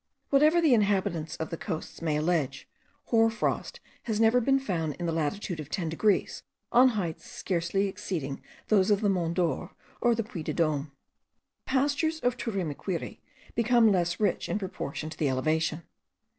Whatever the inhabitants of the coasts may allege, hoar frost has never been found in the latitude of 10 degrees, on heights scarcely exceeding those of the Mont d'Or, or the Puy de Dome. The pastures of Turimiquiri become less rich in proportion to the elevation.